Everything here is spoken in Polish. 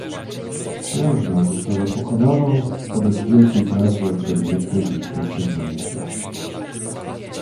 "Księżna została pokonaną wobec wielkiej prawdy odgadniętej instynktem namiętności."